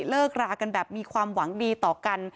เลิกรากันแบบมีความหวังดีต่อกัน